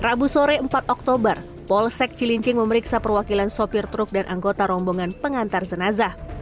rabu sore empat oktober polsek cilincing memeriksa perwakilan sopir truk dan anggota rombongan pengantar jenazah